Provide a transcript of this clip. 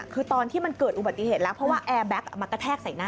คือตอนที่มันเกิดอุบัติเหตุแล้วเพราะว่าแอร์แก๊กเอามากระแทกใส่หน้า